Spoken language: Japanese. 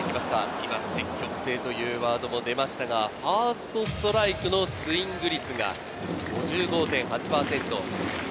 今、積極性というワードが出ましたが、ファーストストライクのスイング率が５５．８パーセント。